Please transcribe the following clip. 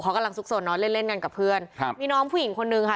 เขากำลังซุกสนเนาะเล่นเล่นกันกับเพื่อนครับมีน้องผู้หญิงคนนึงค่ะ